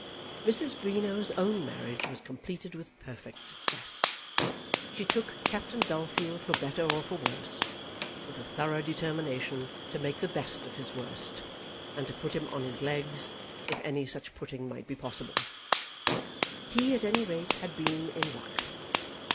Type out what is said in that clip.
Mrs. Greenow's own marriage was completed with perfect success. She took Captain Bellfield for better or for worse, with a thorough determination to make the best of his worst, and to put him on his legs, if any such putting might be possible. He, at any rate, had been in luck.